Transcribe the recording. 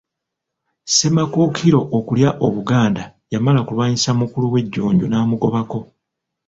Ssemakookiro okulya Obuganda yamala kulwanyisa mukulu we Jjunju n'amugobako.